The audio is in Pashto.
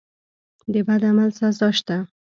د بد عمل سزا شته.